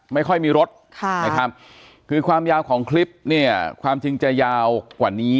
ไม่ค่อยมีรถค่ะนะครับคือความยาวของคลิปเนี่ยความจริงจะยาวกว่านี้